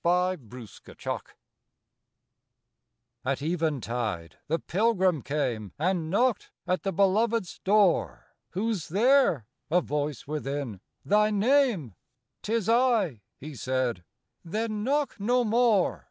59 RENUNCIATION At eventide the Pilgrim came And knocked at the Beloved's door. "Whose there!" a voice within, "Thy name?" " 'T is I," he said.—"Then knock no more.